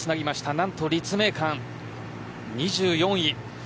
なんと立命館２４位。